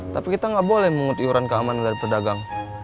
tapi kita gak boleh mengut iuran keamanan dari perdagang